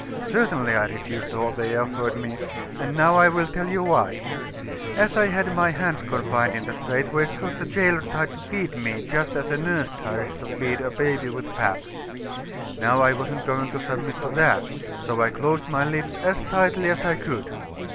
Certainly, I refused all they offered me, and now I will tell you why. As I had my hands confined in the strait waistcoat, the jailor tried to feed me just as a nurse tries to feed a baby with pap. Now I wasn't going to submit to that, so I closed my lips as tightly as I could.